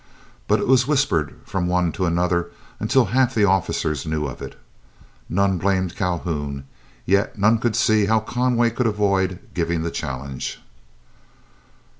But it was whispered from one to another until half the officers knew of it. None blamed Calhoun, yet none could see how Conway could avoid giving the challenge.